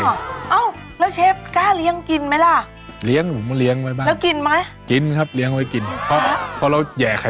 เสร็จแล้วส่วนผสมมีแค่นี้นะคะ